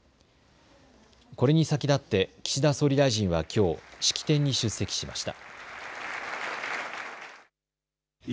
これに先立って岸田総理大臣はきょう式典に出席しました。